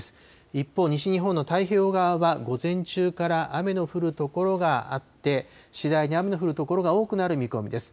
一方、西日本の太平洋側は午前中から雨の降る所があって、次第に雨の降る所が多くなる見込みです。